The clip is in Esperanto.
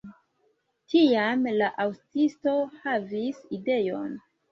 Tiam la aŭtisto havis ideon.